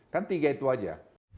kan tiga itu aja